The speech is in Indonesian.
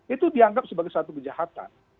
itu dianggap sebagai satu kejahatan